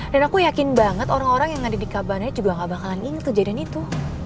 dan aku yakin banget orang orang yang ada di kabananya juga gak bakalan inget kejadian itu